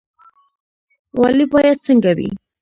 والي باید څنګه وي؟